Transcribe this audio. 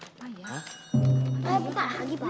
apa sih di sini apa itu